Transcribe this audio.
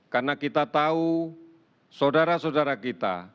karena kita tahu saudara saudara kita